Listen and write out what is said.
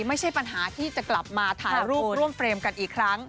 ไม่ใช่ปัญหาที่จะกลับมาถ่ายรูปร่วมเฟรมกันอีกครั้ง